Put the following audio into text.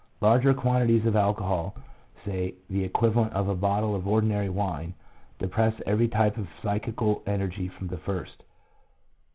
Larger quantities of alcohol — say, the equivalent of a bottle of ordinary wine — depress every type of psychical energy from the first.